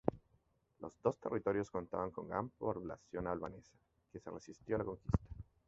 Los dos territorios contaban con gran población albanesa, que se resistió a la conquista.